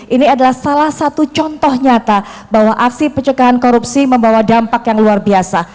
ini adalah salah satu contoh nyata bahwa aksi pencegahan korupsi membawa dampak yang luar biasa